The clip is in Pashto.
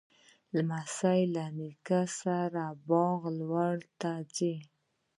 لمسی له نیکه سره د باغ لور ته ځي.